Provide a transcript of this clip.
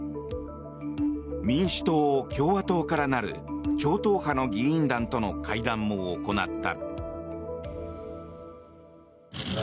民主党、共和党からなる超党派の議員団との会談も行った。